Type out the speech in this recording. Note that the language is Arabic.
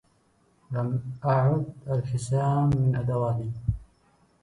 لم أعد الحسام من أدواتي